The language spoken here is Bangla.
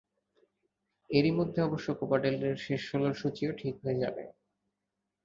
এরই মধ্যে অবশ্য কোপা ডেল রের শেষ ষোলোর সূচিও ঠিক হয়ে যাবে।